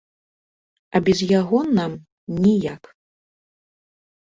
А без яго нам ніяк.